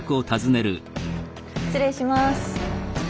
失礼します。